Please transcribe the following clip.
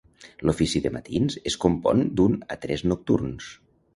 L'ofici de Matins es compon d'un a tres nocturns.